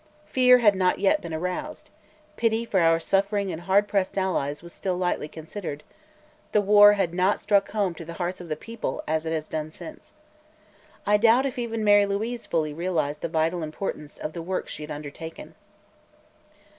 Fear had not yet been aroused; pity for our suffering and hard pressed allies was still lightly considered; the war had not struck home to the hearts of the people as it has since. I doubt if even Mary Louise fully realized the vital importance of the work she had undertaken.